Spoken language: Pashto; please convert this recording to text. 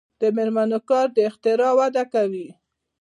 د میرمنو کار د اختراع وده کوي.